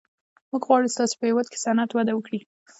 موږ غواړو ستاسو په هېواد کې صنعت وده وکړي